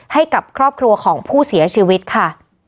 ให้กับครอบครัวของผู้เสียชีวิตค่ะ